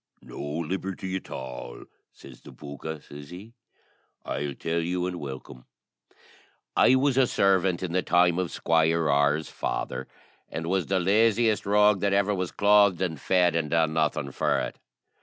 "No liberty at all," says the pooka, says he: "I'll tell you, and welcome. I was a servant in the time of Squire R.'s father, and was the laziest rogue that ever was clothed and fed, and done nothing for it.